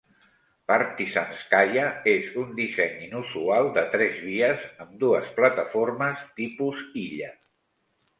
Partizanskaya és un disseny inusual de tres vies amb dues plataformes tipus illa.